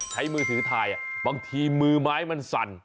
มือถือถ่ายบางทีมือไม้มันสั่น